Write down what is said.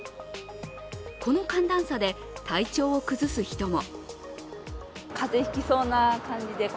この寒暖差で体調を崩す人も。